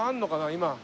今。